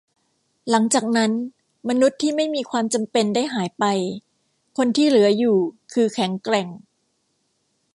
หลังจากนั้น มนุษย์ที่ไม่มีความจำเป็นได้หายไป คนที่เหลืออยู่คือแข็งแกร่ง